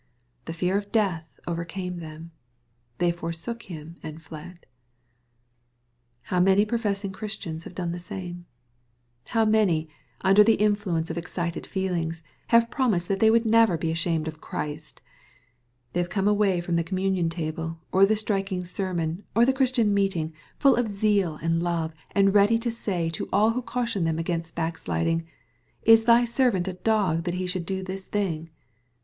The fear of death overcame thenL They " for sook him, and fled/' ' How many professing Christians have done the same ? How many, under the influence of excited feelings, have promised that they would never be ashamed of Christ ! They have come away from the communion table, or the striking sermon, or the Christian meeting, fiill of zeal and love, and ready to say to all who caution them against backsliding, " Is thy servant a dog that he should do this thing